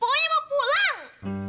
pokoknya mau pulang